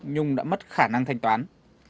nhung đã mất khả năng thanh toán